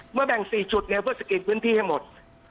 เมื่อแบ่งสี่จุดเนี้ยเพื่อสะกินพื้นที่ให้หมด